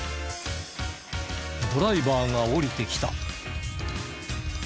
ドライバーが降りてきた。